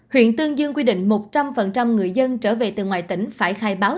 huyện tương dương quy định một trăm linh người dân trở về từ ngoài tỉnh phải khai báo